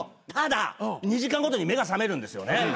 ただ２時間ごとに目が覚めるんですよね。